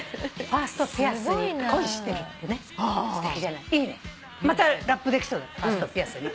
「ファーストピアスに恋してる」